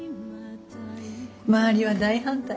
周りは大反対。